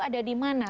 ada di mana